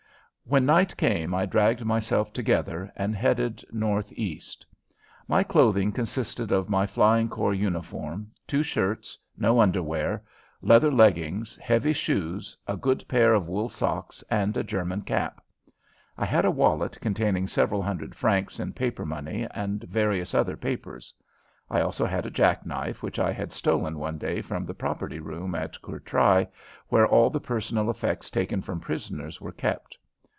When night came I dragged myself together and headed northeast. My clothing consisted of my Flying Corps uniform, two shirts, no underwear, leather leggings, heavy shoes, a good pair of wool socks, and a German cap. I had a wallet containing several hundred francs in paper money and various other papers. I also had a jack knife which I had stolen one day from the property room at Courtrai where all the personal effects taken from prisoners were kept.